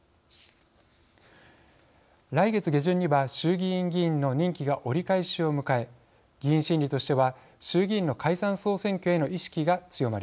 来月下旬には衆議院議員の任期が折り返しを迎え議員心理としては衆議院の解散・総選挙への意識が強まります。